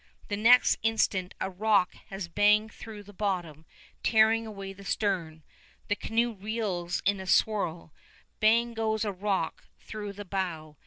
The next instant a rock has banged through bottom, tearing away the stern. The canoe reels in a swirl. Bang goes a rock through the bow.